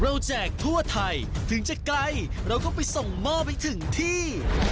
แจกทั่วไทยถึงจะไกลเราก็ไปส่งหม้อไปถึงที่